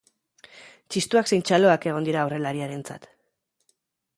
Txistuak zein txaloak egon dira aurrelariarentzat.